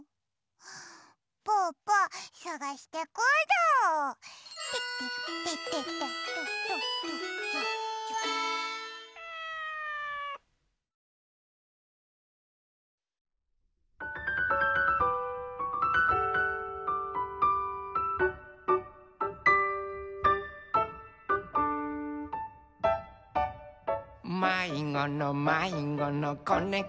「まいごのまいごのこねこちゃん」